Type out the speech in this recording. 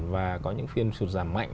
và có những phiên suất giảm mạnh